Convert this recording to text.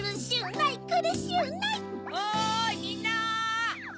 ・おいみんな！